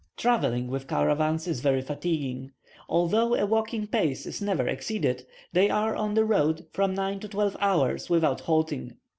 Travelling with caravans is very fatiguing: although a walking pace is never exceeded, they are on the road from nine to twelve hours without halting.